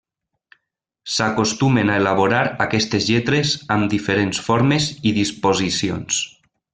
S'acostumen a elaborar aquestes lletres amb diferents formes i disposicions.